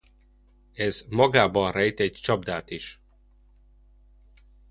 Ez magában rejt egy csapdát is.